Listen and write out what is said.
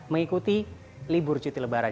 mengikuti libur cuti lebaran